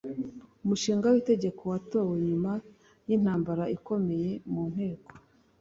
Umushinga w'itegeko watowe nyuma y'intambara ikomeye mu Nteko